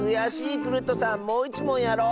クルットさんもういちもんやろう！